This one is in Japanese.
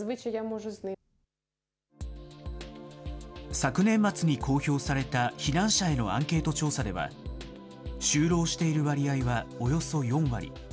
昨年末に公表された避難者へのアンケート調査では、就労している割合はおよそ４割。